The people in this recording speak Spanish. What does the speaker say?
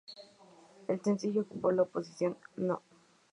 El sencillo ocupó la posición No.